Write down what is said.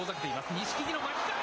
錦木のまきかえ。